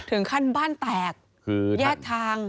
ถึงขั้นบ้านแตกคือแยกทาง